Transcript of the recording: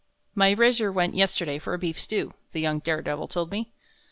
"My razor went yesterday for a beef stew," the young dare devil told me.